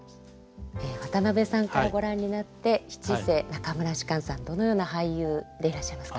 渡辺さんからご覧になって七世中村芝さんどのような俳優でいらっしゃいますか？